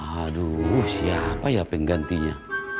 aduh siapa ya penggantinya